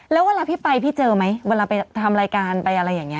แล้วเวลาพี่ไปพี่เจอไหมเวลาไปทำรายการไปอะไรอย่างนี้